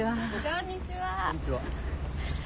こんにちは。